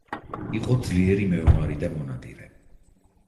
იყო ძლიერი მეომარი და მონადირე.